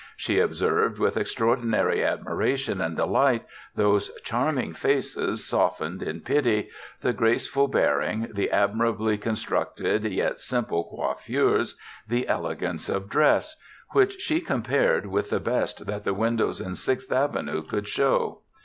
She observed with extraordinary admiration and delight those charming faces softened in pity, the graceful bearing, the admirably constructed yet simple coiffures, the elegance of dress, which she compared with the best that the windows in Sixth Avenue could show.